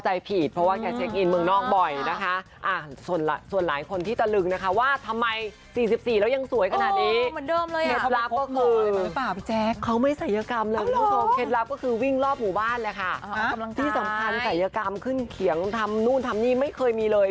ที่สำคัญสัยกรรมขึ้นเขียงทำนู่นทำนี่ไม่เคยมีเลย